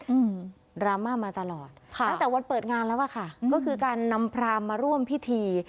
อืมดราม่ามาตลอดค่ะตั้งแต่วันเปิดงานแล้วอ่ะค่ะก็คือการนำพรามมาร่วมพิธี